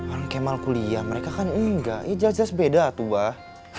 orang kemal kuliah mereka kan enggak ini jelas jelas beda tuh bah